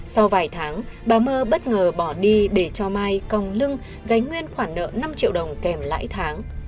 sau vài tháng bà mơ bất ngờ bỏ đi để cho mai còng lưng gánh nguyên khoản nợ năm triệu đồng kèm lãi tháng